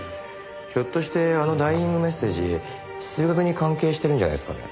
ひょっとしてあのダイイングメッセージ数学に関係してるんじゃないですかね？